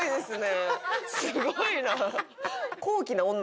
すごいな。